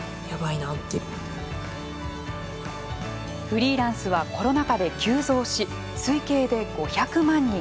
フリーランスはコロナ禍で急増し推計で５００万人。